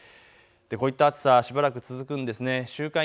こういった暑さ、しばらく続くんです。